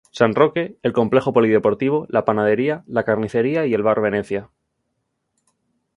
San Roque, el complejo polideportivo, la panadería, la carnicería y el bar Venecia.